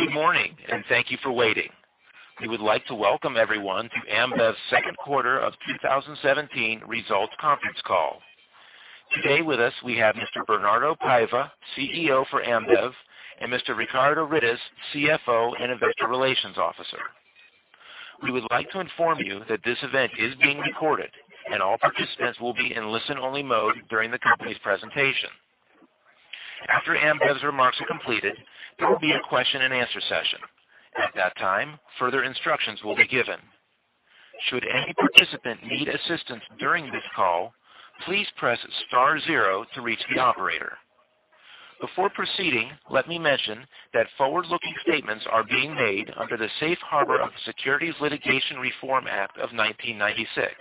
Good morning, and thank you for waiting. We would like to welcome everyone to Ambev's Q2 of 2017 results conference call. Today with us, we have Mr. Bernardo Pinto Paiva, CEO for Ambev, and Mr. Ricardo Rittes, CFO and Investor Relations Officer. We would like to inform you that this event is being recorded and all participants will be in listen-only mode during the company's presentation. After Ambev's remarks are completed, there will be a question-and-answer session. At that time, further instructions will be given. Should any participant need assistance during this call, please press star zero to reach the operator. Before proceeding, let me mention that forward-looking statements are being made under the safe harbor of the Private Securities Litigation Reform Act of 1996.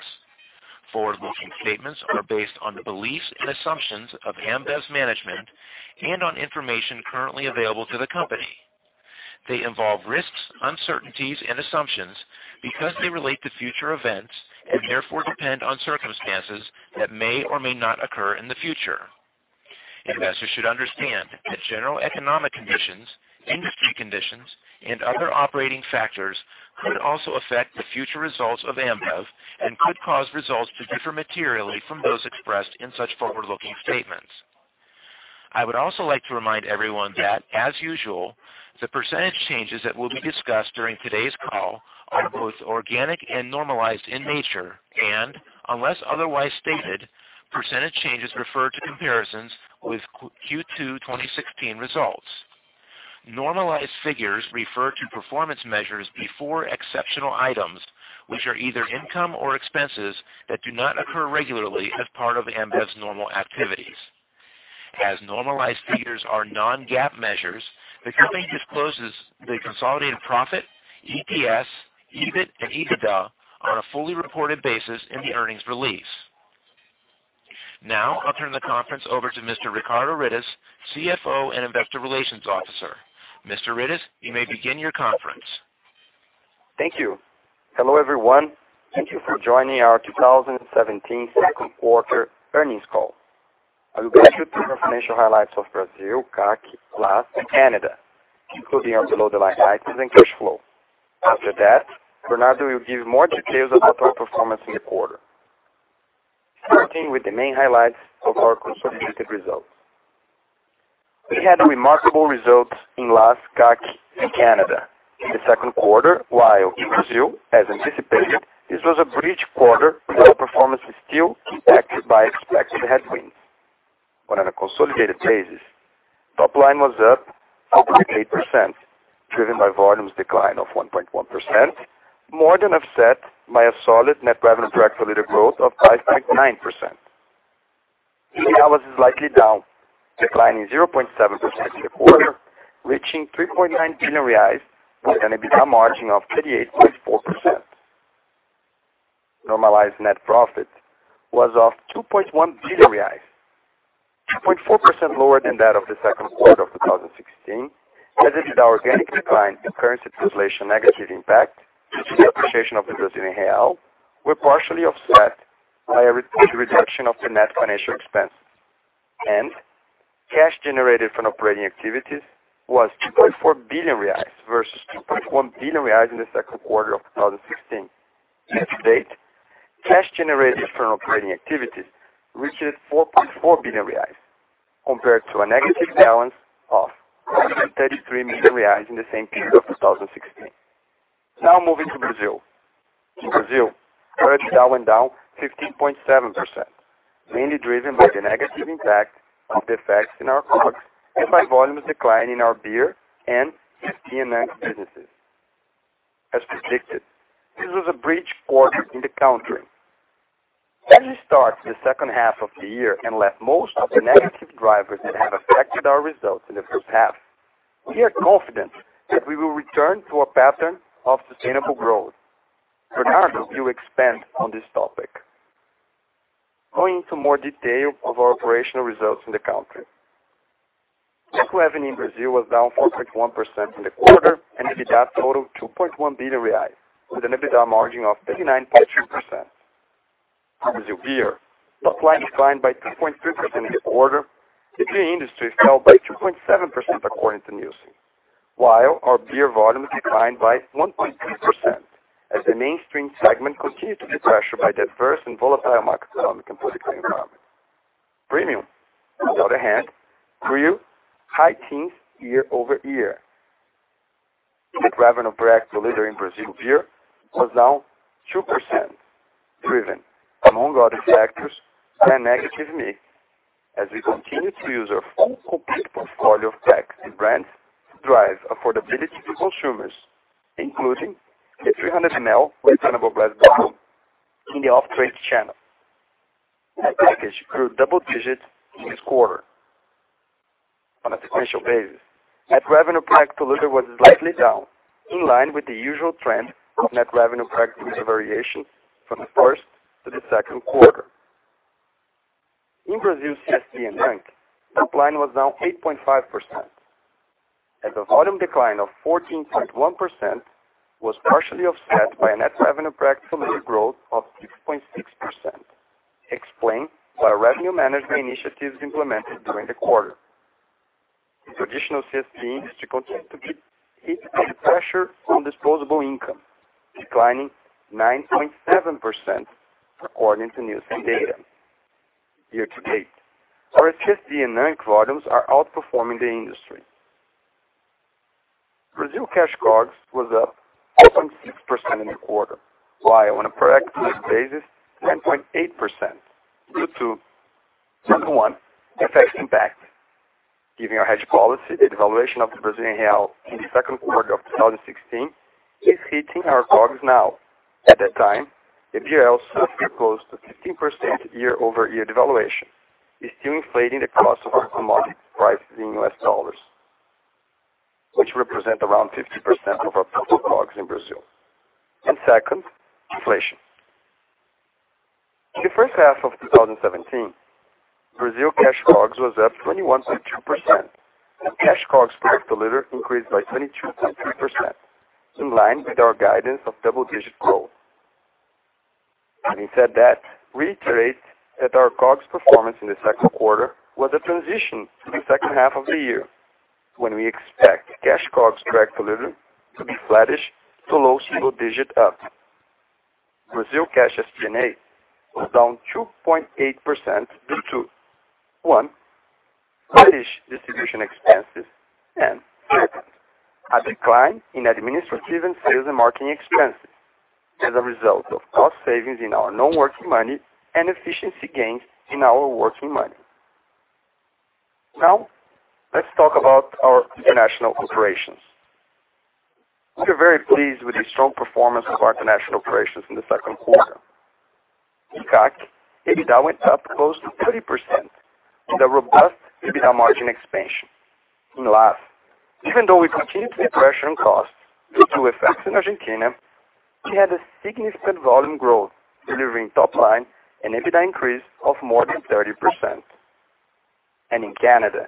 Forward-looking statements are based on the beliefs and assumptions of Ambev's management and on information currently available to the company. They involve risks, uncertainties, and assumptions because they relate to future events and therefore depend on circumstances that may or may not occur in the future. Investors should understand that general economic conditions, industry conditions, and other operating factors could also affect the future results of Ambev and could cause results to differ materially from those expressed in such forward-looking statements. I would also like to remind everyone that, as usual, the percentage changes that will be discussed during today's call are both organic and normalized in nature, and unless otherwise stated, percentage changes refer to comparisons with Q2 2016 results. Normalized figures refer to performance measures before exceptional items, which are either income or expenses that do not occur regularly as part of Ambev's normal activities. As normalized figures are non-GAAP measures, the company discloses the consolidated profit, EPS, EBIT, and EBITDA on a fully reported basis in the earnings release. Now I'll turn the conference over to Mr. Ricardo Rittes, CFO and Investor Relations Officer. Mr. Rittes, you may begin your conference. Thank you. Hello, everyone. Thank you for joining our 2017 Q2 earnings call. I will go through the financial highlights of Brazil, CAC, LAS, and Canada, including our below-the-line items and cash flow. After that, Bernardo will give more details about our performance in the quarter. Starting with the main highlights of our consolidated results. We had remarkable results in LAS, CAC, and Canada in the Q2, while in Brazil, as anticipated, this was a bridge quarter where our performance was still impacted by expected headwinds. On a consolidated basis, top line was up 4.8%, driven by volumes decline of 1.1%, more than offset by a solid net revenue per hectoliter growth of 5.9%. EBIT was slightly down, declining 0.7% in the quarter, reaching 3.9 billion reais, with an EBITDA margin of 38.4%. Normalized net profit was of 2.1 billion reais, 2.4% lower than that of the Q2 of 2016, as it is our organic decline and currency translation negative impact due to the appreciation of the Brazilian real were partially offset by a re-reduction of the net financial expense. Cash generated from operating activities was 2.4 billion reais versus 2.1 billion reais in the Q2 of 2016. Year-to-date, cash generated from operating activities reached 4.4 billion reais compared to a negative balance of 33 million reais in the same period of 2016. Now moving to Brazil. In Brazil, revenue went down 15.7%, mainly driven by the negative impact of the effects in our costs and by volumes decline in our beer and CSD and NAB businesses. As predicted, this was a bridge quarter in the country. As we start the H2 of the year and left most of the negative drivers that have affected our results in the H1, we are confident that we will return to a pattern of sustainable growth. Bernardo will expand on this topic. Going into more detail of our operational results in the country. Net revenue in Brazil was down 4.1% in the quarter, and EBITDA totaled 2.1 billion reais with an EBITDA margin of 39.2%. For Brazil Beer, top-line declined by 2.3% in the quarter. The beer industry fell by 2.7% according to Nielsen, while our beer volumes declined by 1.3%, as the mainstream segment continued to be pressured by the adverse and volatile market, economic, and political environment. Premium, on the other hand, grew high teens year-over-year. Net revenue per hectoliter in Brazil Beer was down 2%, driven among other factors by a negative mix as we continue to use our full complete portfolio of packs and brands to drive affordability to consumers, including the 300 ml returnable glass bottle in the off-trade channel. Net revenue per package grew double digits in this quarter. On a sequential basis, net revenue per hectoliter was slightly down, in line with the usual trend of net revenue per hectoliter variation from the first to the Q2. In CSD&NANC, top line was down 8.5%, as a volume decline of 14.1% was partially offset by a net revenue per hectoliter growth of 6.6%. Explained by revenue management initiatives implemented during the quarter. The traditional CSD industry continued to come under pressure on disposable income, declining 9.7% according to Nielsen data year to date. CSD&NANC in nine quarters are outperforming the industry. Brazil cash COGS was up 4.6% in the quarter, while on a per hectoliter basis, 10.8% due to, number one, FX impact. Given our hedge policy, the devaluation of the Brazilian real in the Q2 of 2016 is hitting our COGS now. At that time, the BRL saw close to 15% year-over-year devaluation, is still inflating the cost of our commodity prices in US dollars, which represent around 50% of our total COGS in Brazil. Second, inflation. In the H1 of 2017, Brazil cash COGS was up 21.2%, and cash COGS per hectoliter increased by 22.3%, in line with our guidance of double-digit growth. Having said that, reiterate that our COGS performance in the Q2 was a transition to the H2 of the year when we expect cash COGS per hectoliter to be flattish to low single-digit up. Brazil cash SG&A was down 2.8% due to, one, high distribution expenses, and second, a decline in administrative and sales and marketing expenses as a result of cost savings in our non-working money and efficiency gains in our working money. Now let's talk about our international operations. We are very pleased with the strong performance of our international operations in the Q2. In CAC, EBITDA went up close to 30% with a robust EBITDA margin expansion. In LAS, even though we continued to be under pressure on costs due to FX effects in Argentina, we had a significant volume growth, delivering top line and EBITDA increase of more than 30%. In Canada,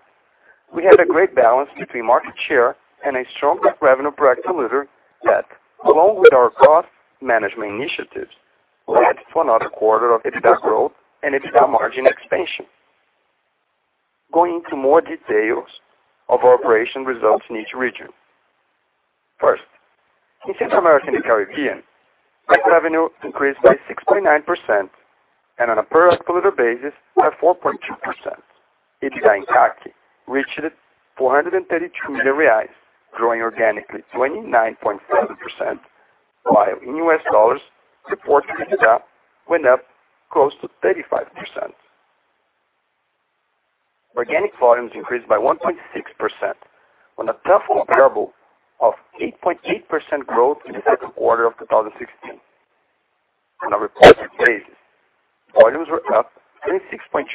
we had a great balance between market share and a stronger revenue per hectoliter that, along with our cost management initiatives, led to another quarter of EBITDA growth and EBITDA margin expansion. Going into more details of our operation results in each region. First, in Central America and the Caribbean, net revenue increased by 6.9% and on a per hectoliter basis by 4.2%. EBITDA in CAC reached BRL 432 million, growing organically 29.7%, while in US dollars, reported EBITDA went up close to 35%. Organic volumes increased by 1.6% on a tougher comparable of 8.8% growth in the Q2 of 2016. On a reported basis, volumes were up 26.2%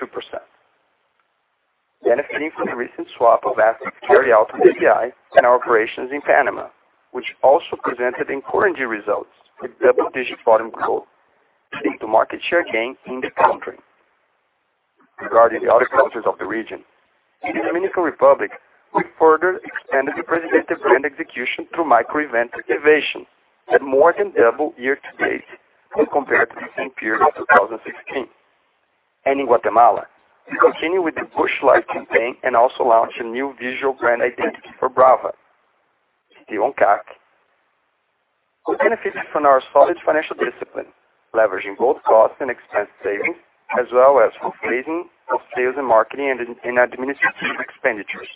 benefiting from the recent swap of assets carried out from ABI and our operations in Panama, which also presented encouraging results with double-digit volume growth due to market share gain in the country. Regarding the other countries of the region. In Dominican Republic, we further expanded the Presidente brand execution through micro event activation that more than doubled year to date when compared to the same period of 2016. In Guatemala, we continued with the Busch Light campaign and also launched a new visual brand identity for Brahma. Still on CAC, we benefited from our solid financial discipline, leveraging both cost and expense savings as well as completion of sales and marketing and SG&A expenditures,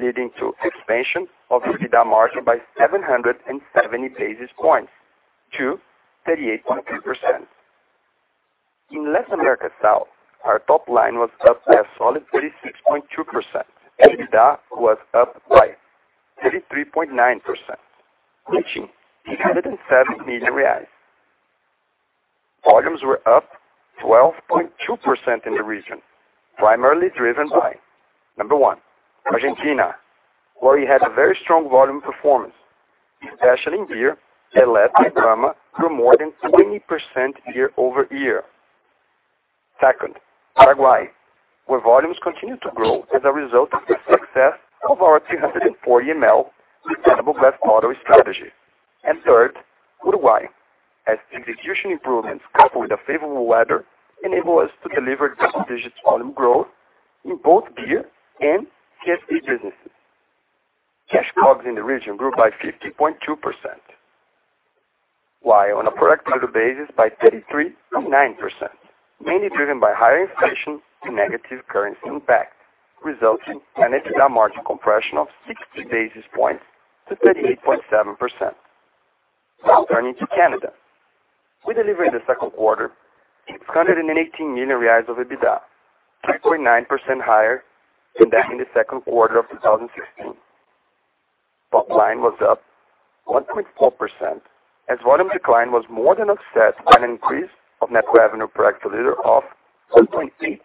leading to expansion of EBITDA margin by 770 basis points to 38.2%. In Latin America South, our top line was up by a solid 36.2%. EBITDA was up by 33.9%, reaching 807 million reais. Volumes were up 12.2% in the region, primarily driven by, number one, Argentina, where we had a very strong volume performance, especially in beer, that led to growth of more than 20% year-over-year. Second, Paraguay, where volumes continued to grow as a result of the success of our 240 mL sustainable glass bottle strategy. Third, Uruguay, as execution improvements coupled with favorable weather enabled us to deliver double-digit volume growth in both beer and CSD businesses. Cash COGS in the region grew by 15.2%, while on a per hectoliter basis by 33.9%, mainly driven by higher inflation and negative currency impact, resulting in an EBITDA margin compression of 60 basis points to 38.7%. Now turning to Canada. We delivered in the Q2 818 million reais of EBITDA, 2.9% higher than that in the Q2 of 2016. Top line was up 1.4% as volume decline was more than offset by an increase of net revenue per hectoliter of 1.8%.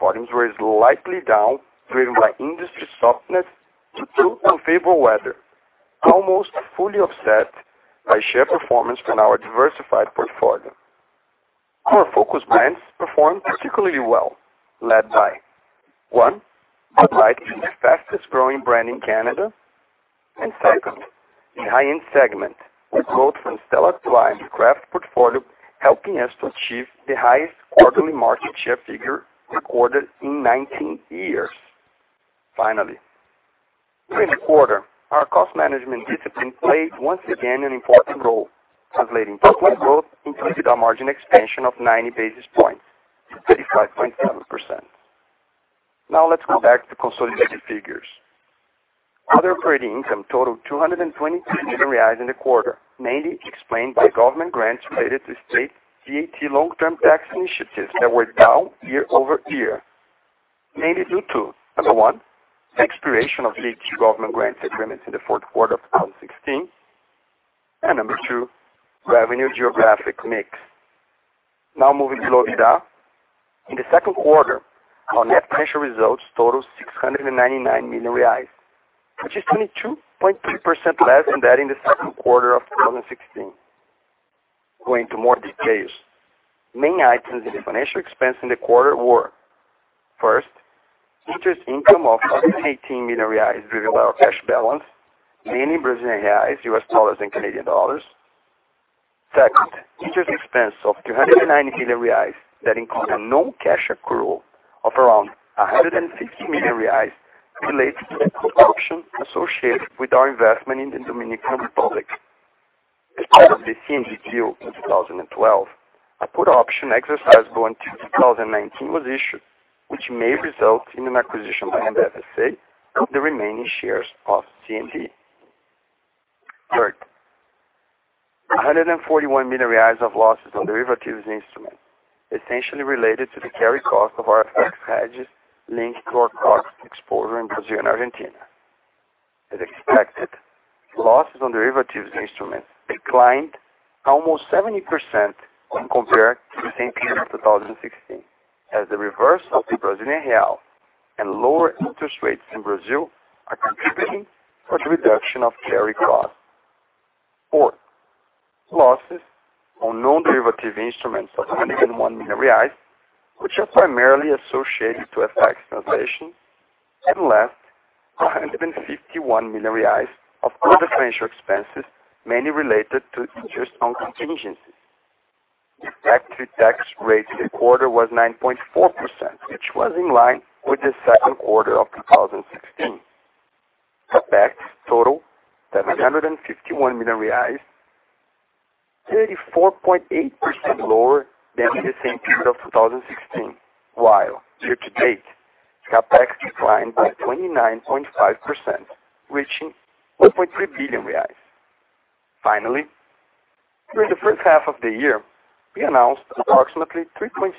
Volumes were slightly down, driven by industry softness due to unfavorable weather, almost fully offset by share performance from our diversified portfolio. Our focus brands performed particularly well, led by one, Bud Light is the fastest growing brand in Canada. And second, in high-end segment, with growth from Stella to craft portfolio, helping us to achieve the highest quarterly market share figure recorded in 19 years. Finally, during the quarter, our cost management discipline played once again an important role, translating top-line growth into the margin expansion of 90 basis points to 35.7%. Now let's go back to consolidated figures. Other operating income totaled 222 million reais in the quarter, mainly explained by government grants related to state VAT long-term tax initiatives that were down year-over-year, mainly due to, number one, the expiration of certain government grant agreements in the Q4 of 2016. Number two, revenue geographic mix. Now moving to our EBITDA. In the Q2, our net financial results totaled 699 million reais, which is 22.3% less than that in the Q2 of 2016. Going into more details. Main items in the financial expense in the quarter were, first, interest income of 118 million reais driven by our cash balance, mainly in Brazilian reais, US dollars, and Canadian dollars. Second, interest expense of 390 million reais that include a non-cash accrual of around 160 million reais related to the put option associated with our investment in the Dominican Republic. As part of the CND deal in 2012, a put option exercisable until 2019 was issued, which may result in an acquisition by Ambev S.A. of the remaining shares of CND. Third, 141 million reais of losses on derivatives instrument, essentially related to the carry cost of our FX hedges linked to our COGS exposure in Brazil and Argentina. As expected, losses on derivatives instruments declined almost 70% when compared to the same period of 2016, as the recovery of the Brazilian real and lower interest rates in Brazil are contributing to the reduction of carry costs. Fourth, losses on non-derivative instruments of 101 million reais, which are primarily associated to FX translation. Last, 151 million reais of other financial expenses, mainly related to interest on contingencies. The effective tax rate for the quarter was 9.4%, which was in line with the Q2 of 2016. CapEx totaled BRL 751 million, 34.8% lower than the same period of 2016. While year-to-date, CapEx declined by 29.5%, reaching 1.3 billion reais. Finally, during the H1 of the year, we announced approximately 3.6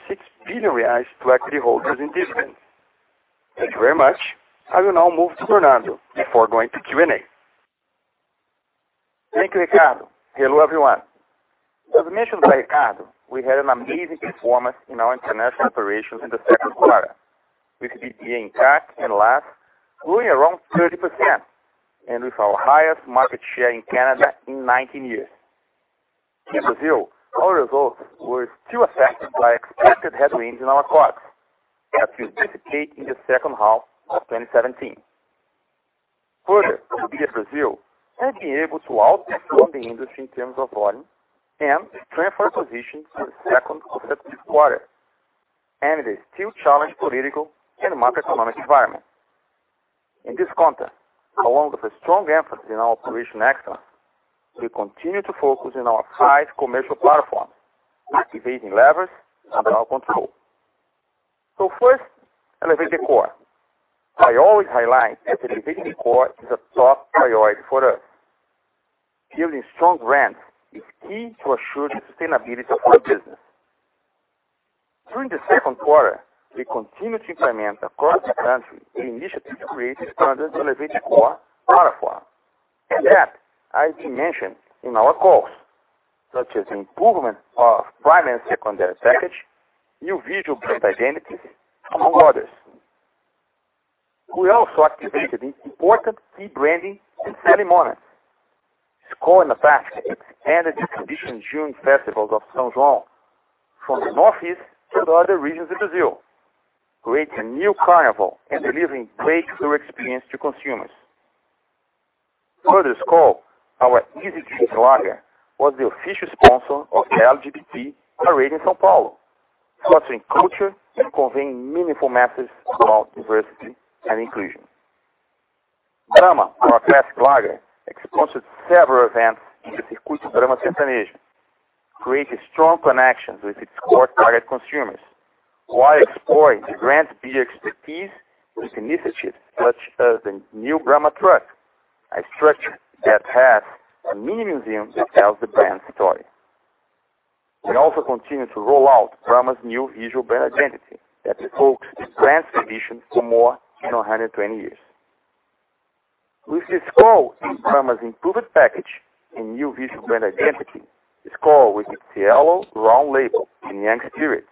billion reais to equity holders in dividends. Thank you very much. I will now move to Bernardo before going to Q&A. Thank you, Ricardo. Hello, everyone. As mentioned by Ricardo, we had an amazing performance in our international operations in the Q2, with AB InBev in CAC and LAS growing around 30% and with our highest market share in Canada in 19 years. In Brazil, our results were still affected by expected headwinds in our COGS that will dissipate in the H2 of 2017. Further, AB InBev Brazil has been able to outgrow the industry in terms of volume and strengthen our position in the second consecutive quarter and in a still challenged political and macroeconomic environment. In this context, along with a strong emphasis in our operational excellence, we continue to focus on our five commercial platforms with execution levers under our control. First, Elevate the Core. I always highlight that Elevate the Core is a top priority for us. Building strong brands is key to assure the sustainability of our business. During the Q2, we continued to implement across the country the initiatives created under the Elevate the Core platform, and that has been mentioned in our calls, such as improvement of primary and secondary packaging, new visual brand identities, among others. We also activated an important key branding and selling moment. Skol in the past expanded its traditional June festivals of São João from the Northeast to the other regions of Brazil, creating a new carnival and delivering great consumer experience to consumers. For the Skol, our easy-drinking lager was the official sponsor of the LGBT parade in São Paulo, fostering culture and conveying meaningful messages about diversity and inclusion. Brahma, our classic lager, sponsored several events in the Circuito Brahma Sertanejo, creating strong connections with its core target consumers while exploring the brand beer expertise with initiatives such as the new Brahma truck, a structure that has a mini museum that tells the brand story. We also continue to roll out Brahma's new visual brand identity that evokes the brand's tradition for more than 120 years. With the Skol and Brahma's improved package and new visual brand identity, Skol with its yellow round label and young spirit,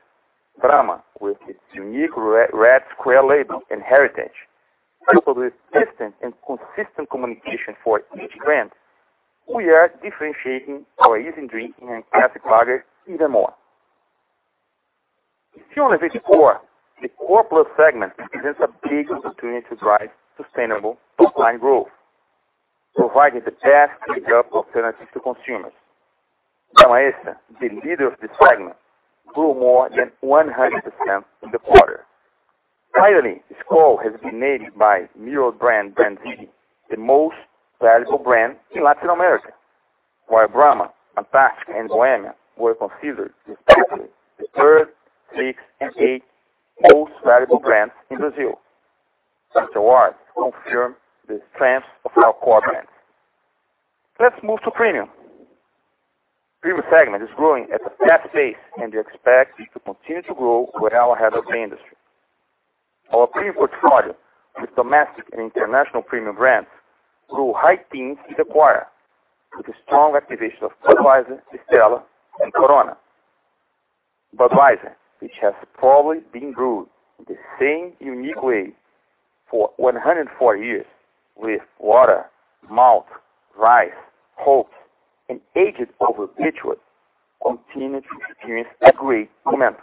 Brahma with its unique red square label and heritage, coupled with distinct and consistent communication for each brand, we are differentiating our easy drinking and classic lager even more. If you only visit core, the core plus segment presents a big opportunity to drive sustainable top-line growth, providing the best pick-up alternative to consumers. Now, Essa, the leader of this segment, grew more than 100% in the quarter. Finally, Skol has been named by Kantar BrandZ the most valuable brand in Latin America, while Brahma, Antarctica, and Bohemia were considered respectively the third, sixth, and eighth most valuable brands in Brazil. Such awards confirm the strengths of our core brands. Let's move to premium. Premium segment is growing at a fast pace, and we expect it to continue to grow well ahead of the industry. Our premium portfolio with domestic and international premium brands grew high teens in the quarter with a strong activation of Budweiser, Stella, and Corona. Budweiser, which has probably been brewed in the same unique way for 104 years with water, malt, rice, hops, and aged over beechwood, continued to experience a great momentum.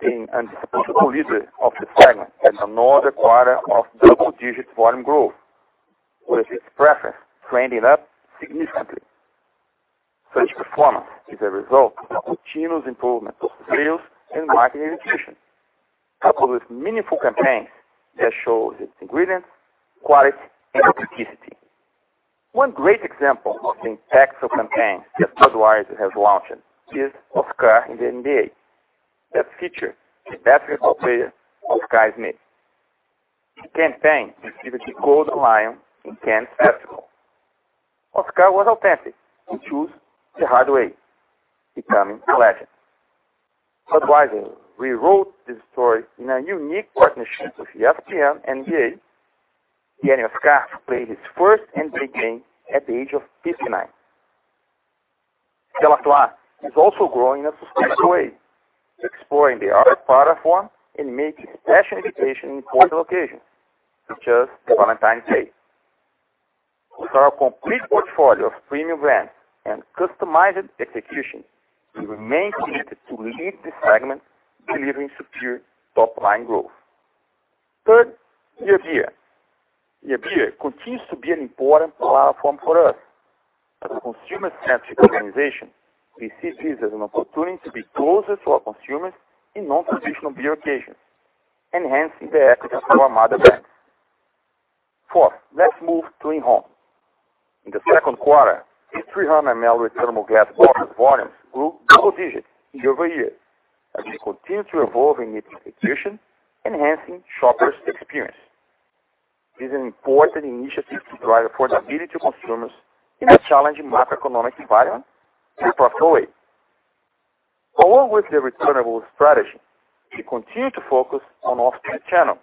Being indisputable leader of the segment had another quarter of double-digit volume growth, with its preference trending up significantly. Such performance is a result of continuous improvement of sales and marketing execution, coupled with meaningful campaigns that show its ingredients, quality, and authenticity. One great example of the impacts of campaigns that Budweiser has launched is Oscar in the NBA that featured the basketball player, Oscar Schmidt. The campaign received the Gold Lion in Cannes Festival. Oscar was authentic to choose the hard way, becoming a legend. Budweiser rewrote this story in a unique partnership with ESPN NBA. Oscar played his first NBA game at the age of 59. Stella Artois is also growing in a sustainable way, exploring the other platform and making special editions in important locations such as the Valentine's Day. With our complete portfolio of premium brands and customized execution, we remain committed to lead this segment, delivering superior top-line growth. Third, near beer. Near beer continues to be an important platform for us. As a consumer-centric organization, we see this as an opportunity to be closer to our consumers in non-traditional beer occasions, enhancing the equity of our mother brands. Fourth, let's move to in home. In the Q2, this 300 ml returnable glass bottled volumes grew double digits year-over-year as we continue to evolve in its execution, enhancing shoppers' experience. This is an important initiative to drive affordability to consumers in a challenging macroeconomic environment in a proper way. Along with the returnable strategy, we continue to focus on off-trade channel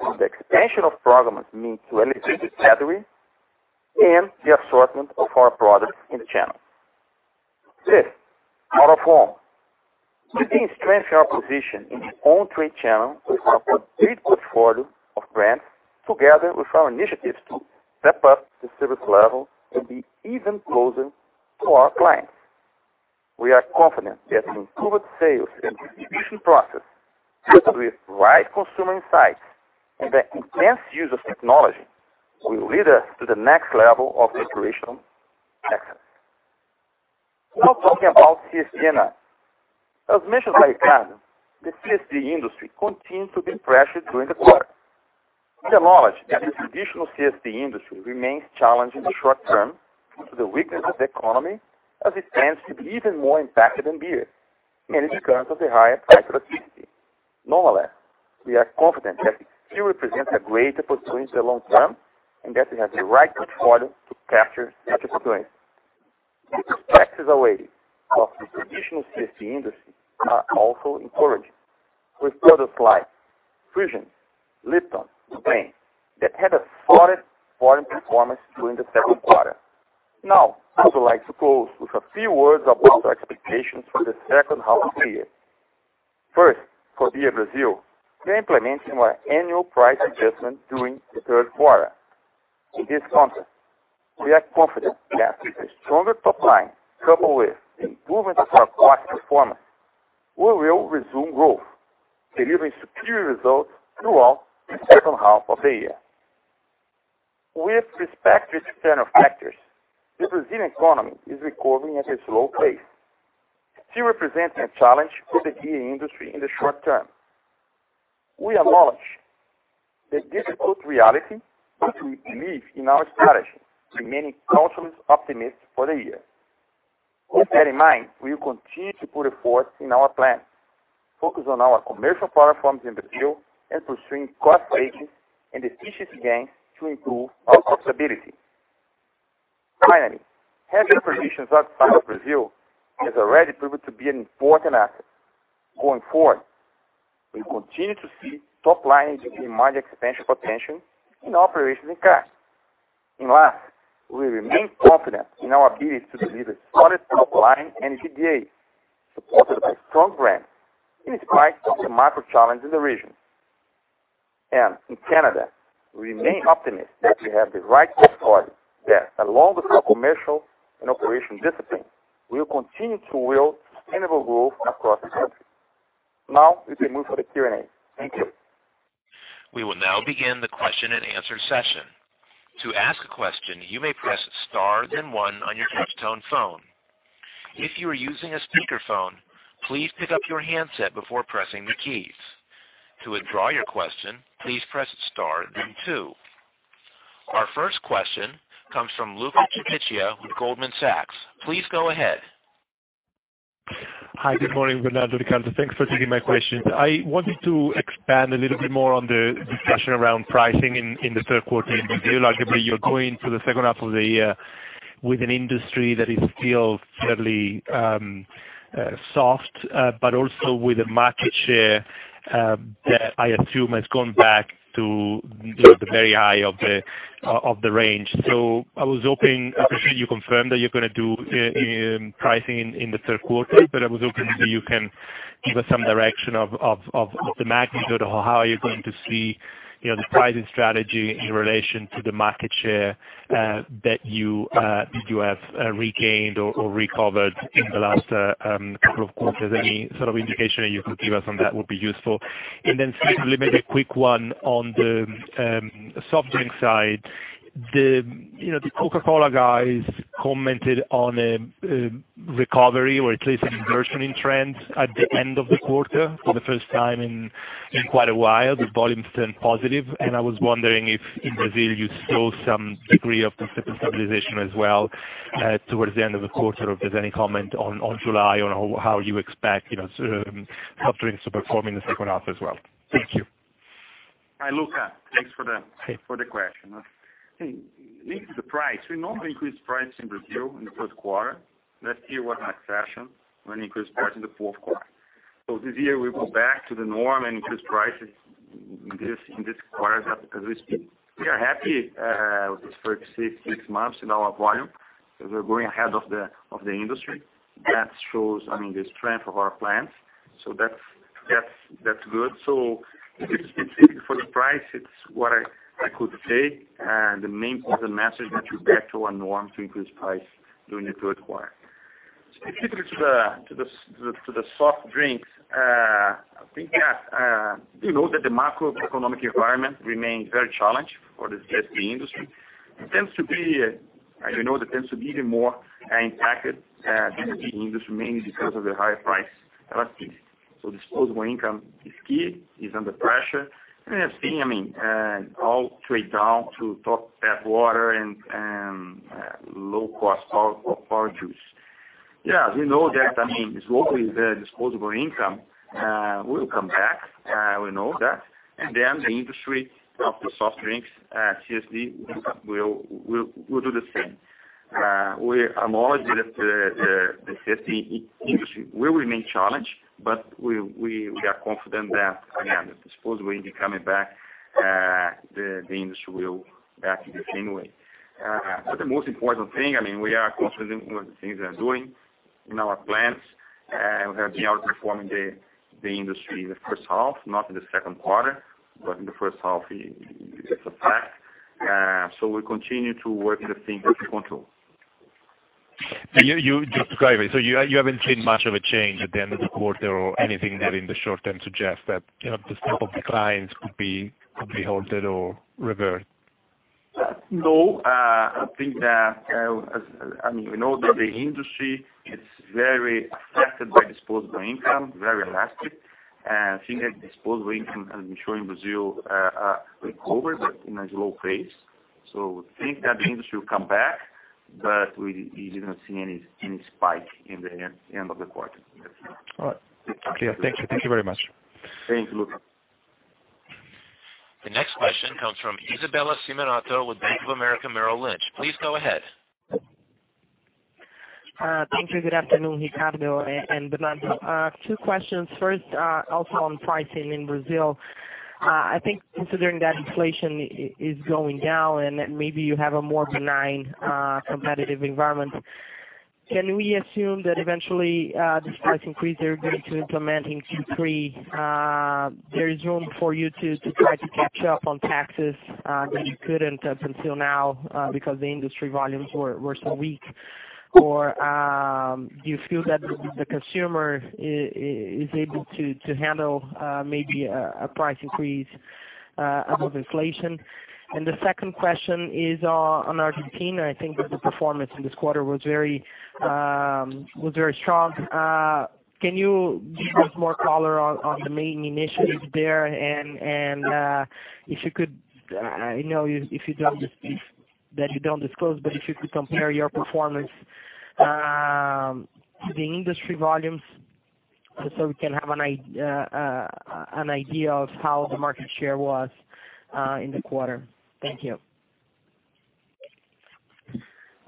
with the expansion of programs meant to elevate the category and the assortment of our products in the channel. Fifth, out of home. We've been strengthening our position in the on-trade channel with our complete portfolio of brands together with our initiatives to step up the service level and be even closer to our clients. We are confident that an improved sales and distribution process coupled with right consumer insights and the intense use of technology will lead us to the next level of operational excellence. Now, talking about CSD & NAB. As mentioned by Ricardo, the CSD & NAB industry continued to be pressured during the quarter. We acknowledge that the distribution of CSD & NAB industry remains challenging in the short term due to the weakness of the economy as it tends to be even more impacted than beer, mainly because of the higher price elasticity. Nonetheless, we are confident that still represents a greater opportunity in the long term, and that we have the right portfolio to capture such opportunity. The prospects awaiting of the traditional CSD industry are also encouraging with products like Fusion, Lipton, Do Bem that had a solid volume performance during the Q2. Now, I would like to close with a few words about our expectations for the H2 of the year. First, for Beer Brazil, we are implementing our annual price adjustment during the Q3. In this context, we are confident that with a stronger top line coupled with the improvement of our cost performance, we will resume growth, delivering superior results throughout the H2 of the year. With respect to the external factors, the Brazilian economy is recovering at a slow pace, still representing a challenge for the beer industry in the short term. We acknowledge the difficult reality, but we believe in our strategy, remaining cautiously optimistic for the year. With that in mind, we will continue to put effort in our plans, focus on our commercial platforms in Brazil, and pursuing cost savings and efficiency gains to improve our profitability. Finally, having the provisions outside of Brazil has already proven to be an important asset. Going forward, we continue to see top-line in-market expansion potential in our operations in LAS. Last, we remain confident in our ability to deliver solid top-line and EBITDA supported by strong brands in spite of the macro challenge in the region. In Canada, we remain optimistic that we have the right portfolio that, along with our commercial and operational discipline, we will continue to yield sustainable growth across the country. Now we can move to the Q&A. Thank you. We will now begin the question-and-answer session. To ask a question, you may press star then one on your touchtone phone. If you are using a speakerphone, please pick up your handset before pressing the keys. To withdraw your question, please press star then two. Our first question comes from Luca Cipiccia with Goldman Sachs. Please go ahead. Hi, good morning, Bernardo, Ricardo. Thanks for taking my question. I wanted to expand a little bit more on the discussion around pricing in the Q3 in Brazil. Arguably, you're going to the H2 of the year with an industry that is still fairly soft, but also with a market share that I assume has gone back to, you know, the very high of the range. I presume you confirmed that you're gonna do pricing in the Q3. But I was hoping that you can give us some direction of the magnitude or how you're going to see, you know, the pricing strategy in relation to the market share that you have regained or recovered in the last couple of quarters. Any sort of indication that you could give us on that would be useful. Secondly, maybe a quick one on the soft drink side. You know, the Coca-Cola guys commented on a recovery or at least an inversion in trends at the end of the quarter for the first time in quite a while. The volumes turned positive, and I was wondering if in Brazil you saw some degree of stabilization as well towards the end of the quarter, or if there's any comment on July on how you expect you know, soft drinks to perform in the H2 as well. Thank you. Hi, Luca. Thanks for the- Hey For the question. Hey, related to the price, we normally increase price in Brazil in the Q1. Last year was an exception. We increased price in the Q4. This year we go back to the norm and increase prices in this quarter as we speak. We are happy with this first six months in our volume, because we're growing ahead of the industry. That shows, I mean, the strength of our plans. That's good. Specifically for the price, it's what I could say, the main point of the message that we're back to our norm to increase price during the Q3. Specifically to the soft drinks, I think that we know that the macroeconomic environment remains very challenged for the CSD industry. It tends to be, as you know, it tends to be even more impacted than the beer industry, mainly because of the higher price elasticity. Disposable income is key, is under pressure. We have seen, I mean, all trade down to tap water and low-cost powdered juice. Yeah, we know that, I mean, slowly the disposable income will come back. We know that. Then the soft drinks industry, CSD will do the same. We acknowledge that the CSD industry will remain challenged, but we are confident that, again, the disposable income coming back, the industry will react in the same way. The most important thing, I mean, we are confident with the things we are doing in our plans, and we have been outperforming the industry in the H1, not in the Q2, but in the H1 it's a fact. We continue to work the things under control. You described it. You haven't seen much of a change at the end of the quarter or anything that in the short term suggests that, you know, the steepness of declines could be halted or reversed? No, I think that, as I mean, we know that the industry is very affected by disposable income, very elastic. I think that disposable income, as we show in Brazil, recovered but in a slow pace. We think that the industry will come back, but we didn't see any spike in the end of the quarter. That's it. All right. Okay. Thank you. Thank you very much. Thanks, Luca. The next question comes from Isabella Simonato with Bank of America Merrill Lynch. Please go ahead. Thank you. Good afternoon, Ricardo and Bernardo. Two questions. First, also on pricing in Brazil. I think considering that inflation is going down and maybe you have a more benign competitive environment, can we assume that eventually this price increase you're going to implement in Q3, there is room for you to try to catch up on taxes that you couldn't until now because the industry volumes were so weak? Or do you feel that the consumer is able to handle maybe a price increase above inflation? The second question is on Argentina. I think that the performance in this quarter was very strong. Can you give us more color on the main initiatives there? If you could, I know that you don't disclose, but if you could compare your performance to the industry volumes just so we can have an idea of how the market share was in the quarter. Thank you.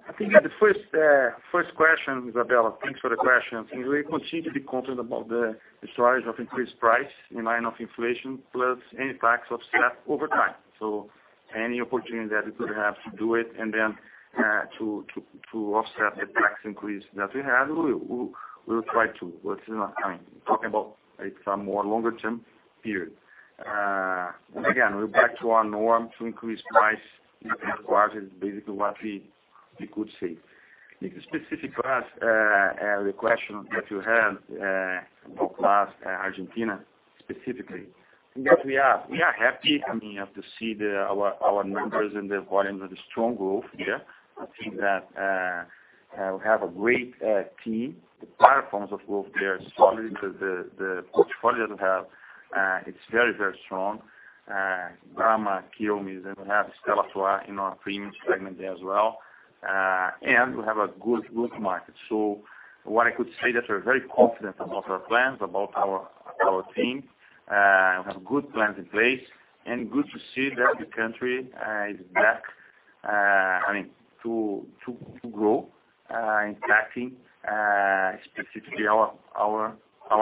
I think that the first question, Isabella, thanks for the question. We continue to be confident about the strategy of increased price in line with inflation plus any tax offset over time. Any opportunity that we could have to do it and then to offset the tax increase that we have, we will try to, but it's not time. Talking about, it's a longer term period. Again, we're back to our norm to increase price in advance is basically what we could say. If specific to us, the question that you have about Argentina specifically, that we are happy, I mean, to see our numbers and the volumes of the strong growth there. I think that we have a great team. The platforms of growth there is solid. The portfolio that we have, it's very strong. Brahma, Quilmes, then we have Stella Artois in our premium segment there as well. We have a good growth market. What I could say that we're very confident about our plans, about our team. We have good plans in place, and good to see that the country is back, I mean, to grow, impacting specifically our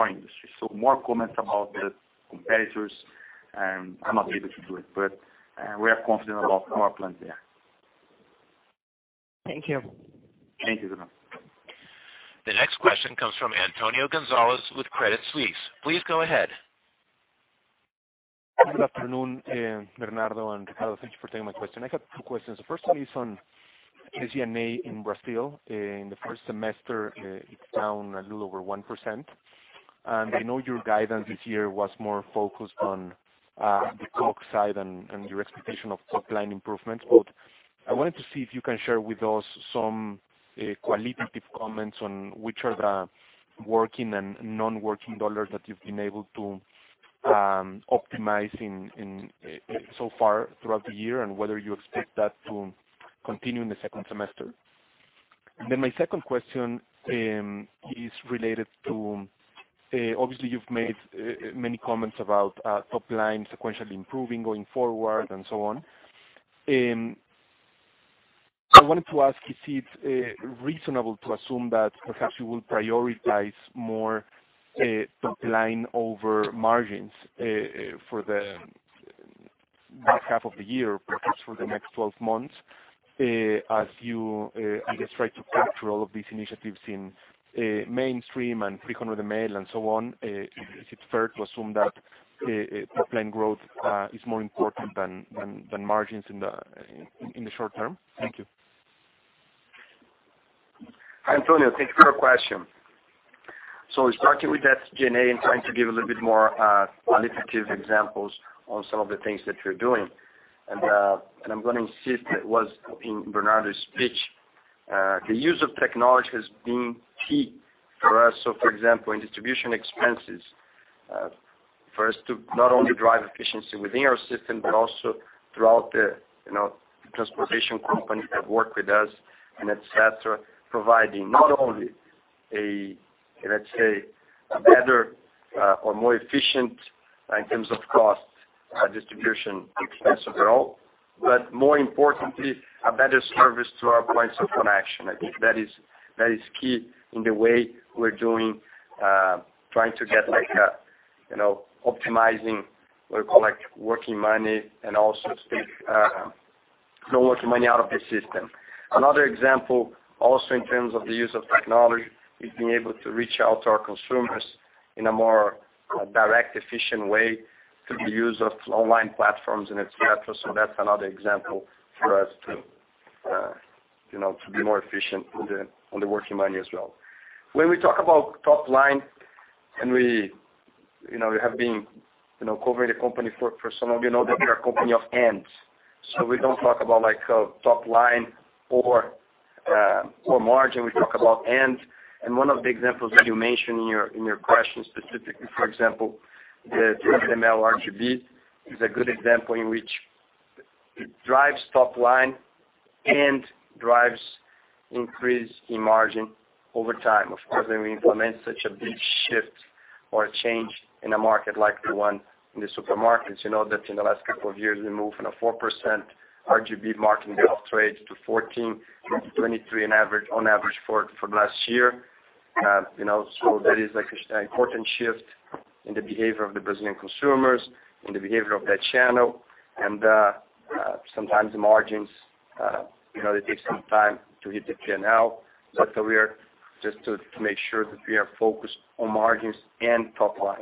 industry. More comments about the competitors, I'm not able to do it, but we are confident about our plans there. Thank you. Thank you very much. The next question comes from Antonio Gonzalez with Credit Suisse. Please go ahead. Good afternoon, Bernardo and Ricardo. Thank you for taking my question. I got two questions. The first one is on SG&A in Brazil. In the first semester, it's down a little over 1%. I know your guidance this year was more focused on the Coke side and your expectation of top line improvements. But I wanted to see if you can share with us some qualitative comments on which are the working and non-working dollars that you've been able to optimize so far throughout the year, and whether you expect that to continue in the second semester. My second question is related to obviously you've made many comments about top line sequentially improving going forward and so on. I wanted to ask if it's reasonable to assume that perhaps you will prioritize more top line over margins for the back half of the year, perhaps for the next 12 months as you I guess try to capture all of these initiatives in mainstream and 300 mL and so on. Is it fair to assume that top line growth is more important than margins in the short term? Thank you. Antonio, thank you for your question. Starting with that NAB and trying to give a little bit more qualitative examples on some of the things that we're doing. I'm gonna insist it was in Bernardo's speech. The use of technology has been key for us. For example, in distribution expenses, for us to not only drive efficiency within our system, but also throughout the, you know, the transportation companies that work with us and et cetera, providing not only a, let's say, a better or more efficient in terms of cost distribution expense overall, but more importantly, a better service to our points of connection. I think that is key in the way we're doing trying to get like you know optimizing what we call like working money and also take non-working money out of the system. Another example also in terms of the use of technology is being able to reach out to our consumers in a more direct efficient way through the use of online platforms and et cetera. That's another example for us to you know to be more efficient on the working money as well. When we talk about top line and we you know we have been you know covering the company for some of you know that we are a company of ands. We don't talk about like top line or margin. We talk about and. One of the examples that you mentioned in your question specifically, for example, the 3ML RGB is a good example in which it drives top line and drives increase in margin over time. Of course, when we implement such a big shift or a change in a market like the one in the supermarkets, you know that in the last couple of years, we moved from a 4% RGB off-trade to 14.23% on average for last year. You know, that is like an important shift in the behavior of the Brazilian consumers, in the behavior of that channel. Sometimes the margins, you know, they take some time to hit the P&L. But we are just to make sure that we are focused on margins and top line.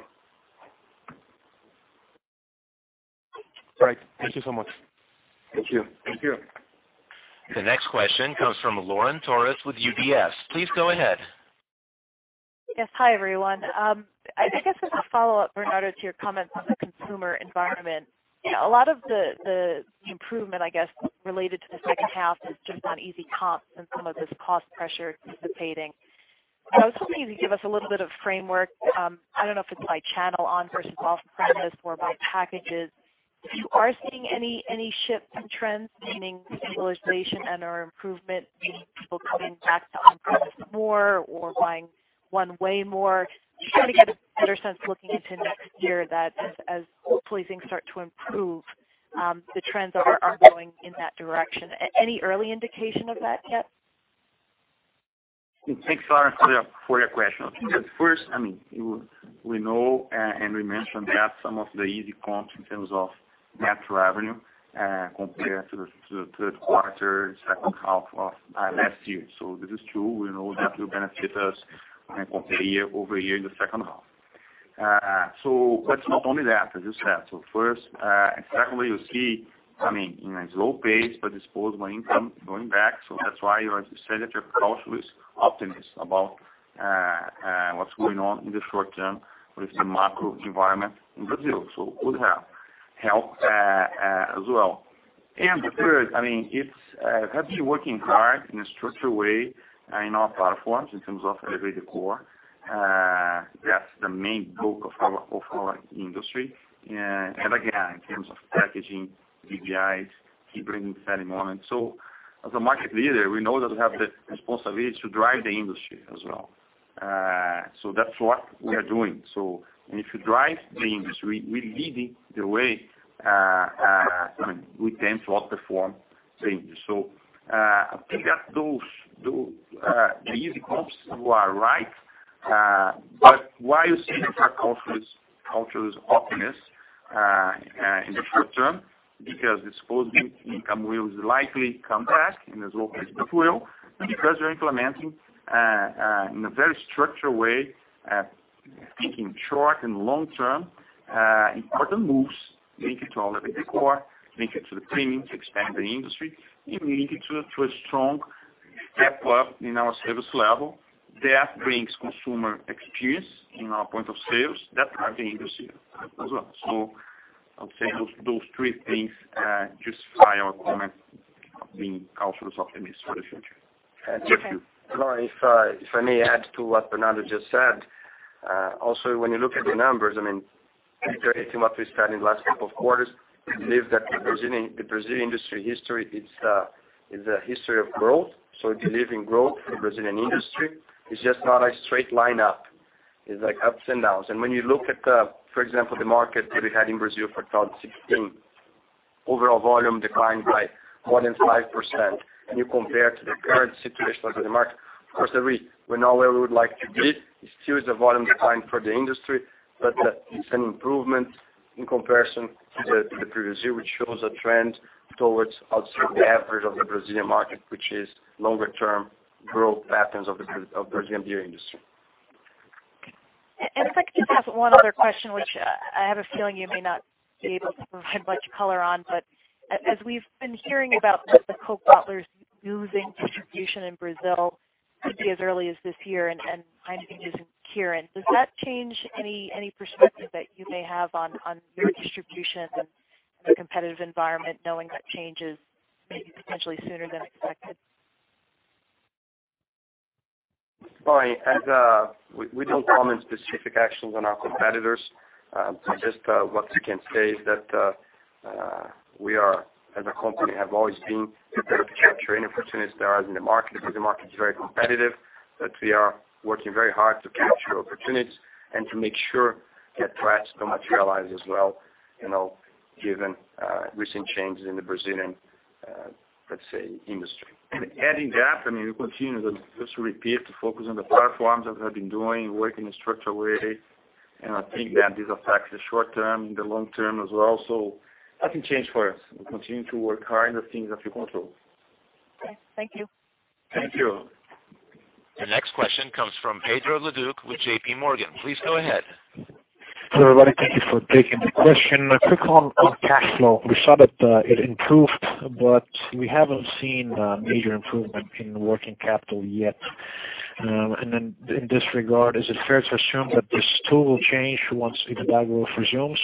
All right. Thank you so much. Thank you. The next question comes from Lauren Torres with UBS. Please go ahead. Yes. Hi, everyone. I guess as a follow-up, Bernardo, to your comments on the consumer environment. A lot of the improvement, I guess, related to the H2 is just on easy comps and some of this cost pressure dissipating. I was hoping you could give us a little bit of framework, I don't know if it's by channel on- versus off-premise or by packages. If you are seeing any shift in trends, meaning stabilization and/or improvement, meaning people coming back to on-premise more or buying one way more. Just trying to get a better sense looking into next year that as hopefully things start to improve, the trends are going in that direction. Any early indication of that yet? Thanks, Lauren, for your question. First, I mean, you know we mentioned that some of the easy comps in terms of net revenue, compared to the Q3, H2 of last year. This is true. We know that will benefit us when comparing year-over-year in the H2. That's not only that, as you said. First, exactly you see, I mean, in a slow pace, but disposable income going back. That's why you said that you're cautiously optimistic about what's going on in the short term with the macro environment in Brazil. It would have helped as well. Third, I mean, we have been working hard in a structured way in our platforms in terms of Elevate the Core. That's the main bulk of our industry. Again, in terms of packaging, BBIs keep bringing value on. As a market leader, we know that we have the responsibility to drive the industry as well. That's what we are doing. If you drive the industry, we lead it the way, I mean, we tend to outperform the industry. I think that those do the easy comps you are right. Why you say that our culture is optimistic in the short term, because disposable income will likely come back in a slow pace, but will. Because we're implementing in a very structured way, thinking short and long-term, important moves linked to all of the core, linked to the premium to expand the industry, and linked to a strong step up in our service level. That brings consumer experience in our point of sales. That drives the industry as well. I would say those three things justify our comment of being cautiously optimistic for the future. Thank you. Thank you. Lauren, if I may add to what Bernardo just said. Also, when you look at the numbers, I mean, iterating what we said in last couple of quarters, we believe that the Brazilian industry history is a history of growth. We believe in growth for Brazilian industry. It's just not a straight line up. It's like ups and downs. When you look at, for example, the market that we had in Brazil for 2016, overall volume declined by more than 5%. When you compare to the current situation of the market, of course, we're not where we would like to be. It still is a volume decline for the industry, but it's an improvement in comparison to the previous year, which shows a trend towards also the average of the Brazilian market, which is longer term growth patterns of the Brazilian beer industry. If I could just ask one other question, which I have a feeling you may not be able to provide much color on, but as we've been hearing about what the coke bottlers losing distribution in Brazil could be as early as this year, and I think is Kirin, does that change any perspective that you may have on your distribution and the competitive environment, knowing that change is maybe potentially sooner than expected? Sorry. As we don't comment specific actions on our competitors. Just what we can say is that we are, as a company, have always been prepared to capture any opportunities there are in the market, because the market is very competitive, that we are working very hard to capture opportunities and to make sure that threats don't materialize as well, you know, given recent changes in the Brazilian, let's say, industry. Adding that, I mean, we continue to just repeat to focus on the platforms that we have been doing, working in a structured way. I think that this affects the short term, the long term as well. Nothing changed for us. We continue to work hard on things that we control. Okay. Thank you. Thank you. Your next question comes from Pedro Leduc with JPMorgan. Please go ahead. Hello, everybody. Thank you for taking the question. A quick one on cash flow. We saw that it improved, but we haven't seen major improvement in working capital yet. In this regard, is it fair to assume that this too will change once the category resumes?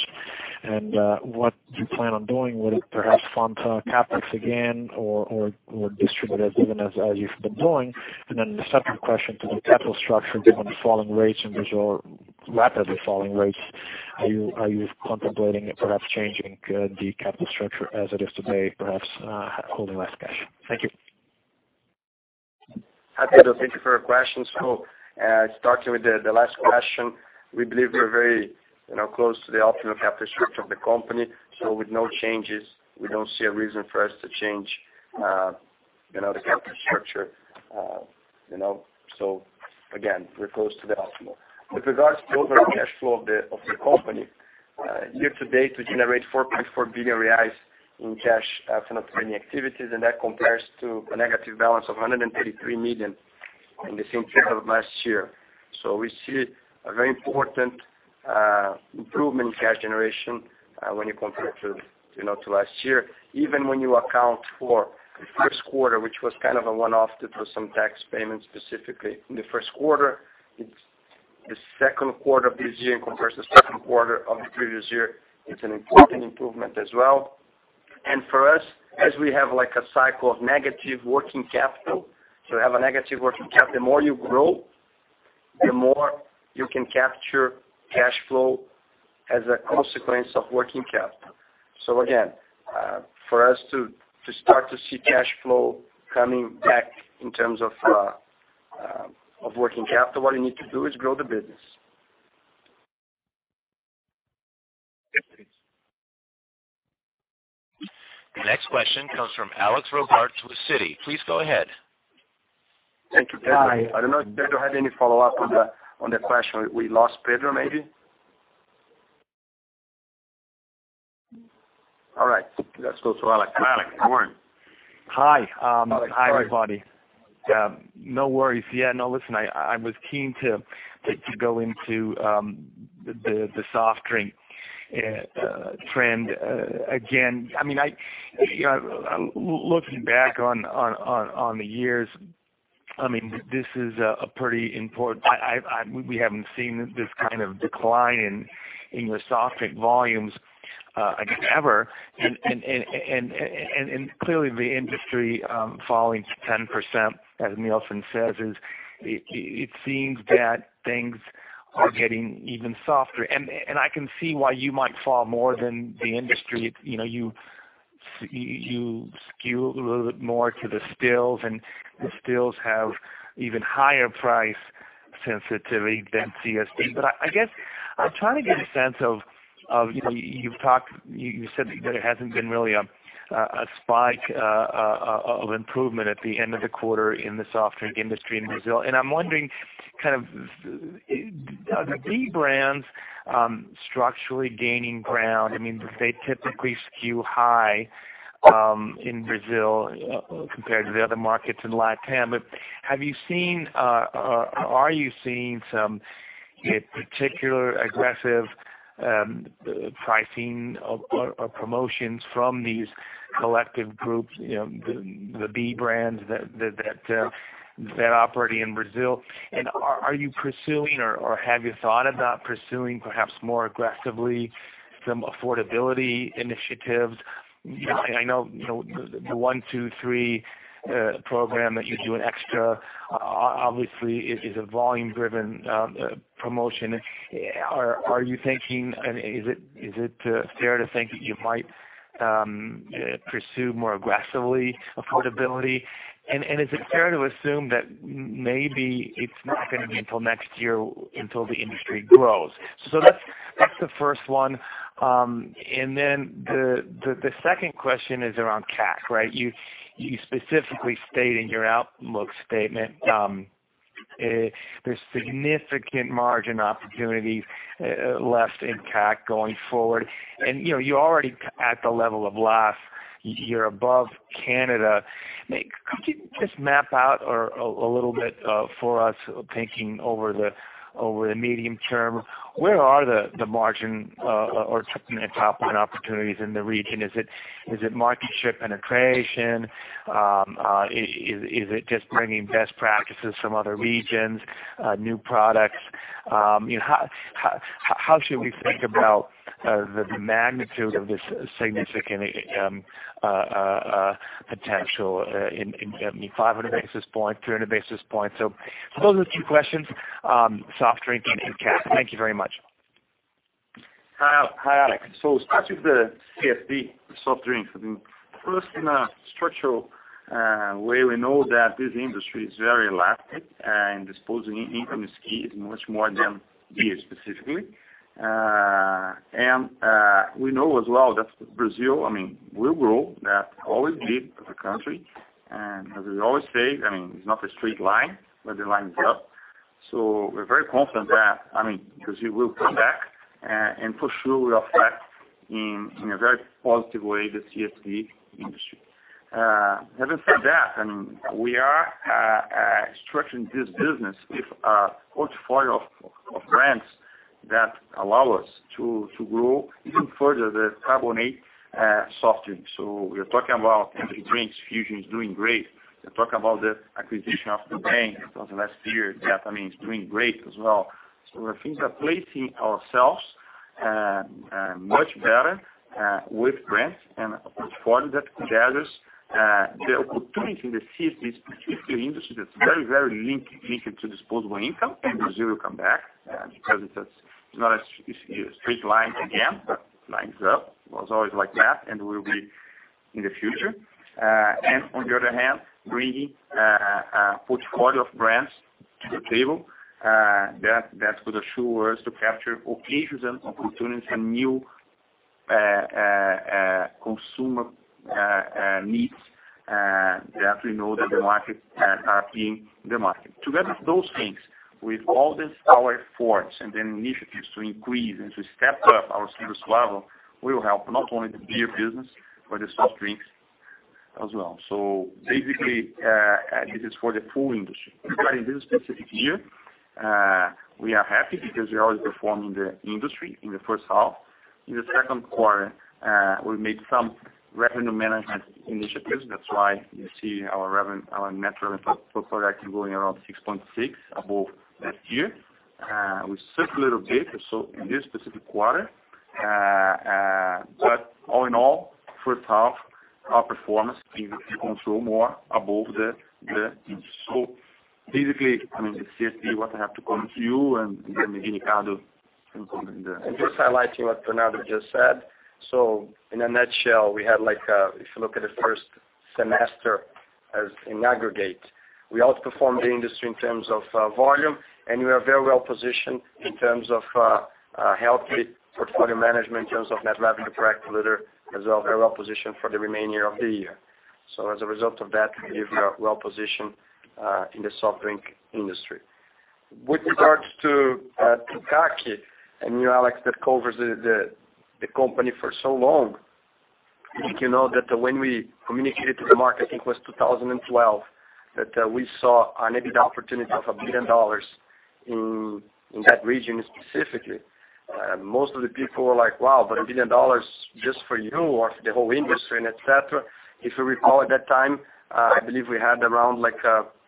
What do you plan on doing? Will it perhaps fund CapEx again or distribute as you've been doing? The separate question to the capital structure, given the falling rates in Brazil, rapidly falling rates, are you contemplating perhaps changing the capital structure as it is today, perhaps holding less cash? Thank you. Hi, Pedro. Thank you for your questions. Starting with the last question, we believe we're very, you know, close to the optimal capital structure of the company. With no changes, we don't see a reason for us to change, you know, the capital structure, you know. Again, we're close to the optimal. With regards to overall cash flow of the company, year to date, we generate 4.4 billion reais in cash from operating activities, and that compares to a negative balance of 133 million in the same period of last year. We see a very important improvement in cash generation when you compare to last year. Even when you account for the Q1, which was kind of a one-off due to some tax payments specifically in the Q1, it's the Q2 of this year compares to Q2 of the previous year, it's an important improvement as well. For us, as we have like a cycle of negative working capital, we have a negative working capital. The more you grow, the more you can capture cash flow as a consequence of working capital. Again, for us to start to see cash flow coming back in terms of working capital, what you need to do is grow the business. The next question comes from Alexander Robarts with Citi. Please go ahead. Thank you, I don't know if Pedro had any follow-up on the question. We lost Pedro, maybe. All right, let's go to Alex. Alex, go on. Hi. Hi, everybody. No worries. Yeah, no, listen, I was keen to go into the soft drink trend. Again, I mean, I, you know, looking back on the years, I mean, this is a pretty important. We haven't seen this kind of decline in the soft drink volumes ever. Clearly the industry falling 10%, as Nielsen says, it seems that things are getting even softer. I can see why you might fall more than the industry. You know, you skew a little bit more to the stills, and the stills have even higher price sensitivity than CSD. I guess I'm trying to get a sense of, you know, you've said that it hasn't been really a spike of improvement at the end of the quarter in the soft drink industry in Brazil. I'm wondering, kind of, are the B brands structurally gaining ground? I mean, they typically skew high in Brazil compared to the other markets in Latam. Are you seeing some particularly aggressive pricing or promotions from these collective groups, you know, the B brands that operate in Brazil? Are you pursuing or have you thought about pursuing perhaps more aggressively some affordability initiatives? You know, the one, two, three program that you do in Extra obviously is a volume driven promotion. Are you thinking? I mean, is it fair to think that you might pursue more aggressively affordability? Is it fair to assume that maybe it's not gonna be until next year the industry grows? That's the first one. Then the second question is around CAC, right? You specifically state in your outlook statement, there's significant margin opportunities left in CAC going forward. You know, you're already at the level of last year above Canada. Could you just map out a little bit for us, thinking over the medium term, where are the margin or top-line opportunities in the region? Is it market share penetration? Is it just bringing best practices from other regions, new products? You know, how should we think about the magnitude of this significant potential in, I mean, 500 basis points, 300 basis points? Those are the two questions, soft drink and CAC. Thank you very much. Hi, Alex. Starting with the CSD soft drinks, I mean, first, in a structural way, we know that this industry is very elastic and disposable income is key, much more than beer specifically. We know as well that Brazil, I mean, will grow. That's always been as a country. As we always say, I mean, it's not a straight line, but the line is up. We're very confident that, I mean, Brazil will come back, and for sure will affect in a very positive way the CSD industry. Having said that, I mean, we are structuring this business with a portfolio of brands that allow us to grow even further the carbonated soft drinks. We're talking about energy drinks. Fusion is doing great. We're talking about the acquisition of the Do Bem of the last year. That, I mean, is doing great as well. I think we are placing ourselves much better with brands and a portfolio that together the opportunity in the CSD specifically industry that's very, very linked to disposable income, and Brazil will come back because it's not a straight line again, but the line's up. It was always like that, and will be in the future. On the other hand, bringing a portfolio of brands to the table that could assure us to capture occasions and opportunities and new consumer needs that we know are in the market. Together with those things, with all this, our efforts and the initiatives to increase and to step up our service level will help not only the beer business but the soft drinks as well. Basically, this is for the full industry. In this specific year, we are happy because we are outperforming the industry in the H1. In the Q2, we made some revenue management initiatives. That's why you see our net revenue per hectoliter is growing around 6.6% above last year. We slipped a little bit, so in this specific quarter. All in all, H1, our performance is considerably more above the. Basically, I mean, the CSD, what I have to comment to you, and then maybe Ricardo can comment on the- Just highlighting what Bernardo just said. In a nutshell, we had like if you look at the first Semester as in aggregate. We outperformed the industry in terms of volume, and we are very well positioned in terms of healthy portfolio management in terms of net revenue per hectoliter, as well, very well positioned for the remaining of the year. As a result of that, I believe we are well positioned in the soft drink industry. With regards to CapEx, I know, Alex, that covers the company for so long. I think you know that when we communicated to the market, I think it was 2012, that we saw an EBITDA opportunity of $1 billion in that region specifically. Most of the people were like, "Wow, but $1 billion just for you or for the whole industry and et cetera." If you recall at that time, I believe we had around like,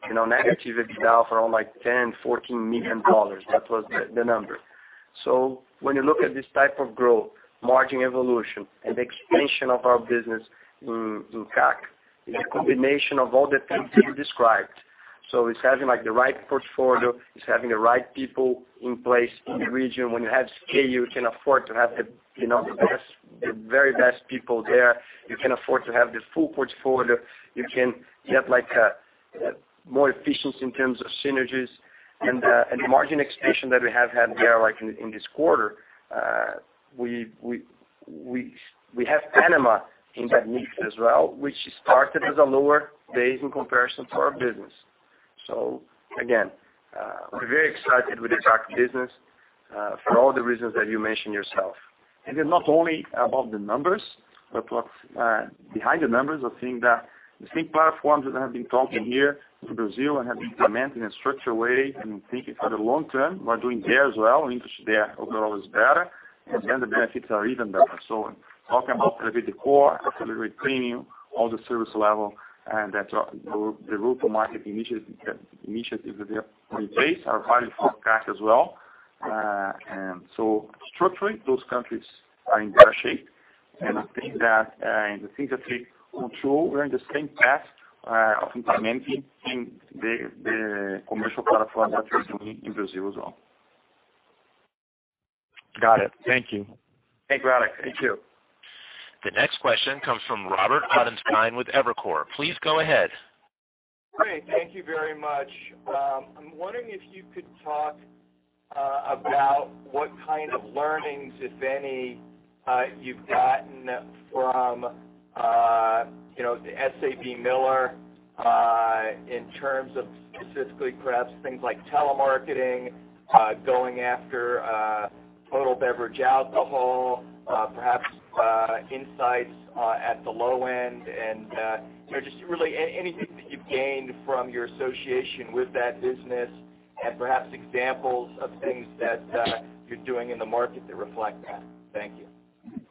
you know, negative EBITDA for around like 10-14 million dollars. That was the number. When you look at this type of growth, margin evolution and the expansion of our business in CAC, it's a combination of all the things that you described. It's having like the right portfolio. It's having the right people in place in the region. When you have scale, you can afford to have the, you know, the best, the very best people there. You can afford to have the full portfolio. You can get like a more efficiency in terms of synergies and the margin expansion that we have had there, like in this quarter, we have Panama in that mix as well, which started as a lower base in comparison to our business. We're very excited with the CAC business for all the reasons that you mentioned yourself. It's not only about the numbers, but what's behind the numbers. I think that the same platforms that I have been talking here to Brazil and have been implementing in a structural way, and we think it for the long term. We're doing there as well. Interest there overall is better, and then the benefits are even better. Talking about maybe the core, actually retaining all the service level and that the route to market initiative that they are in place are valid for CAC as well. Structurally, those countries are in better shape. I think that and the things that we control, we're in the same path of implementing in the commercial platform that we're doing in Brazil as well. Got it. Thank you. Thank you, Alex. Thank you. The next question comes from Robert Ottenstein with Evercore. Please go ahead. Great. Thank you very much. I'm wondering if you could talk about what kind of learnings, if any, you've gotten from, you know, SABMiller, in terms of specifically perhaps things like telemarketing, going after, total beverage alcohol, perhaps, insights, at the low end and, you know, just really anything that you've gained from your association with that business and perhaps examples of things that, you're doing in the market that reflect that. Thank you.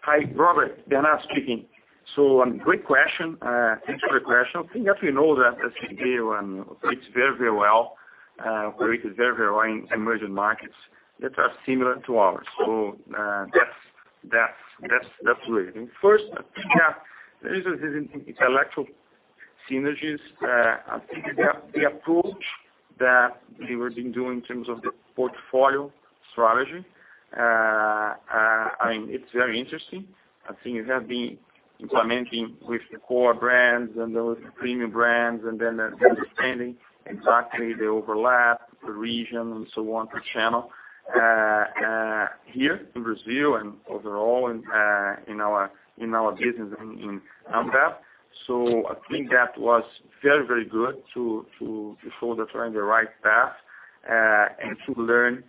Hi, Robert, Bernardo speaking. Great question. Thanks for the question. I think that we know that SABMiller fits very, very well, where it is very, very well in emerging markets that are similar to ours. That's really. First, I think that there is integration synergies. I think that the approach that they were been doing in terms of the portfolio strategy, I mean, it's very interesting. I think it has been implementing with the core brands and those premium brands, and then understanding exactly the overlap, the region, and so on, the channel, here in Brazil and overall in our business in Ambev. I think that was very, very good to show that we're on the right path, and to learn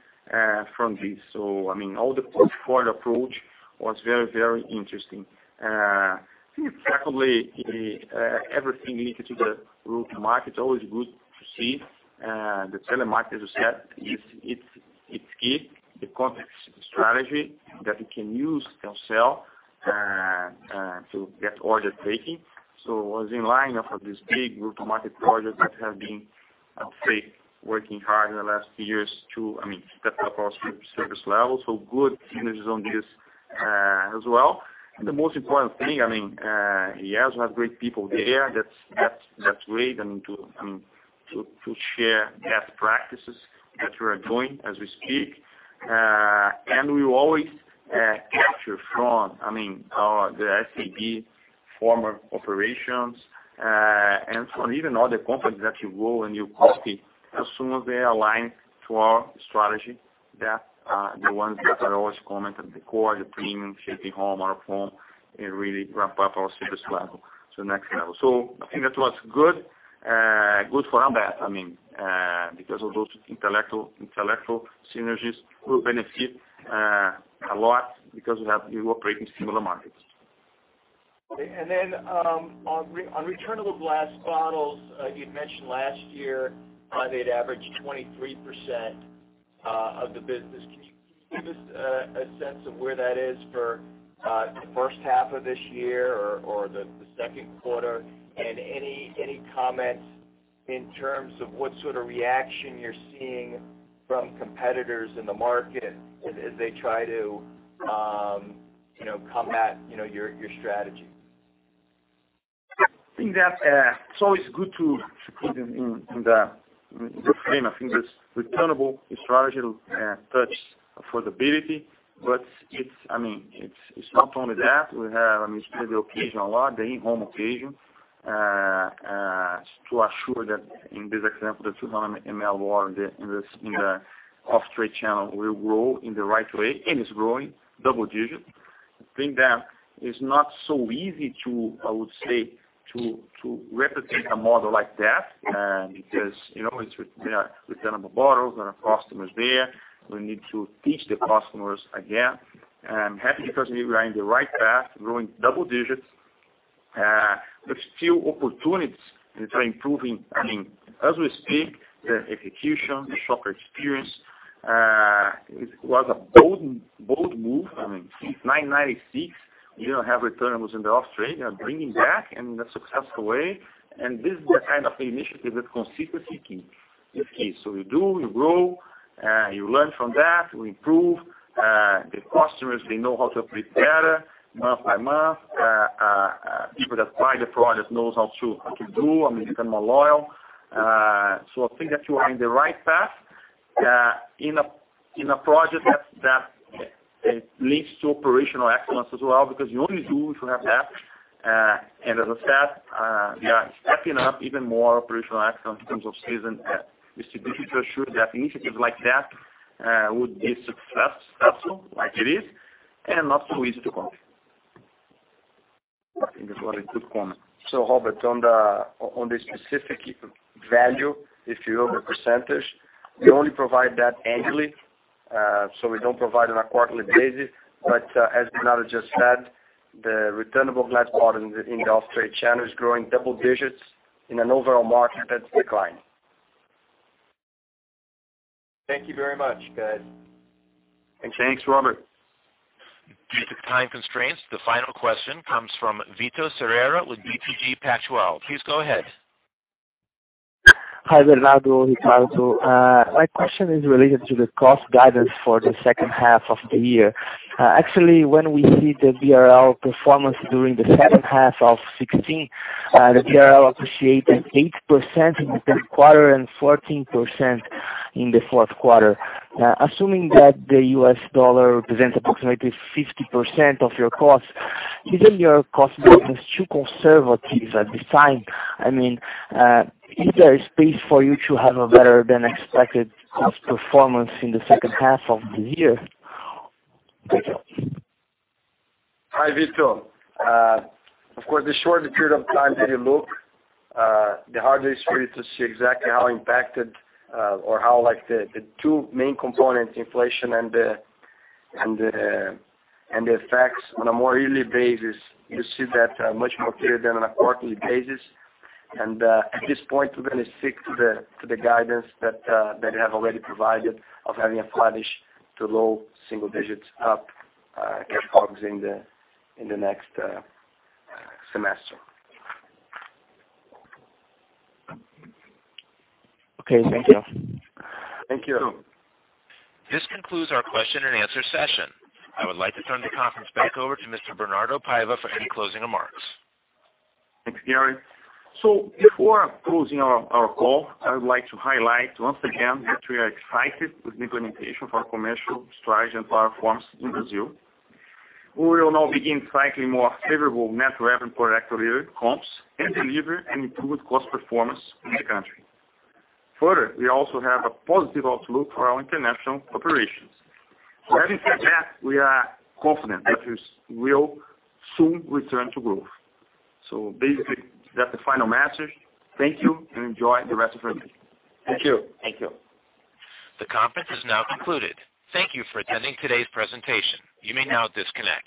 from this. I mean, all the portfolio approach was very, very interesting. I think secondly, everything related to the route to market, always good to see, the telemarketing, as you said, it's key. The complex strategy that we can use ourselves to get orders taking. It was in line of this big route to market project that have been, I would say, working hard in the last few years to, I mean, step up our service level. Good synergies on this, as well. The most important thing, I mean, yes, we have great people there. That's great. I mean to share best practices that we are doing as we speak. We will always capture from, I mean, the SAB former operations, and from even other companies that you go and you copy as soon as they align to our strategy, that the ones that I always comment on the core, the premium, shaping, home reform, it really ramp up our service level to the next level. I think that was good. Good for Ambev. I mean, because of those integration synergies, we'll benefit a lot because we operate in similar markets. Okay. Then, on returnable glass bottles, you'd mentioned last year, I think it averaged 23% of the business. Can you give us a sense of where that is for the H1 of this year or the Q2? Any comments in terms of what sort of reaction you're seeing from competitors in the market as they try to, you know, combat, you know, your strategy? I think that it's always good to put in the frame. I think this returnable strategy will touch affordability, but it's, I mean, not only that. We have, I mean, still the occasion a lot, the in-home occasion, to assure that in this example, the 200 ml in the off-trade channel will grow in the right way, and it's growing double digits. I think that is not so easy, I would say, to replicate a model like that, because, you know, it's with returnable bottles and our customers there. We need to teach the customers again. I'm happy because we are in the right path, growing double digits. Still opportunities and try improving. I mean, as we speak, the execution, the shopper experience, it was a bold move. I mean, since 1996, we don't have returnables in the off-trade. We are bringing back in a successful way, and this is the kind of initiative that consistency is key. You do, you grow, you learn from that, you improve. The customers, they know how to prepare month by month. People that buy the product knows how to do. I mean, become more loyal. I think that you are in the right path, in a project that leads to operational excellence as well, because you only do if you have that. As I said, we are stepping up even more operational excellence in terms of season distributions. Sure, that initiatives like that would be successful like it is, and not so easy to come. I think that's what I could comment. Robert, on the specific value, if you will, the percentage, we only provide that annually. We don't provide on a quarterly basis. As Bernardo just said, the returnable glass bottle in the off-trade channel is growing double digits in an overall market that's declining. Thank you very much, guys. Thanks, Robert. Due to time constraints, the final question comes from Vito Ferreira with BTG Pactual. Please go ahead. Hi, Bernardo, Ricardo. My question is related to the cost guidance for the H2 of the year. Actually, when we see the BRL performance during the H2 of 2016, the BRL appreciated 8% in the Q3 and 14% in the Q4. Assuming that the US dollar represents approximately 50% of your costs, isn't your cost business too conservative at this time? I mean, is there a space for you to have a better than expected cost performance in the H2 of the year? Thank you. Hi, Vito. Of course, the shorter period of time that you look, the harder it is for you to see exactly how impacted or how like the two main components, inflation and the effects on a more yearly basis, you see that much more clear than on a quarterly basis. At this point, we're gonna stick to the guidance that we have already provided of having a flattish to low single digits up in COGS in the next semester. Okay, thank you. Thank you. This concludes our question and answer session. I would like to turn the conference back over to Mr. Bernardo Paiva for any closing remarks. Thanks, Gary. Before closing our call, I would like to highlight once again that we are excited with the implementation of our commercial strategy and platforms in Brazil. We will now begin slightly more favorable net revenue per hectoliter comps and deliver an improved cost performance in the country. Further, we also have a positive outlook for our international operations. Having said that, we are confident that we will soon return to growth. Basically, that's the final message. Thank you, and enjoy the rest of your day. Thank you. Thank you. The conference is now concluded. Thank you for attending today's presentation. You may now disconnect.